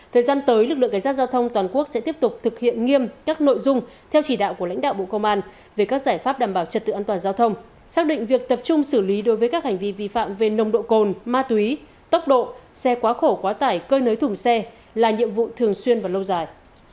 thời gian tới lực lượng cảnh sát giao thông toàn quốc sẽ tiếp tục thực hiện nghiêm các nội dung theo chỉ đạo của lãnh đạo bộ công an về các giải pháp đảm bảo trật tự an toàn giao thông xác định việc tập trung xử lý đối với các hành vi vi phạm về nồng độ cồn ma túy tốc độ xe quá khổ quá tải cơi nới thùng xe là nhiệm vụ thường xuyên và lâu dài